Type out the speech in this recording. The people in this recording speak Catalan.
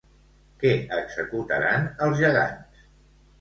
Què executaran els gegants?